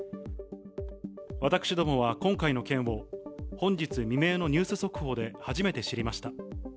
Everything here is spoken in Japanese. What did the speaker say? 私どもは今回の件を、本日未明のニュース速報で初めて知りました。